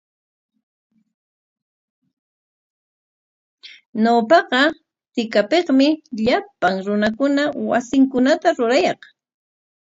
Ñawpaqa tikapikmi llapan runakuna wasinkunata rurayaq.